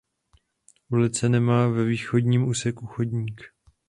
Ulice nemá ve východním úseku chodník.